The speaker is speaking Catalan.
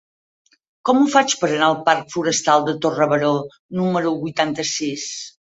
Com ho faig per anar al parc Forestal de Torre Baró número vuitanta-sis?